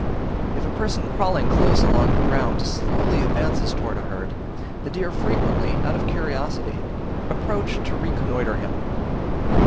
If a person crawling close along the ground, slowly advances towards a herd, the deer frequently, out of curiosity, approach to reconnoitre him.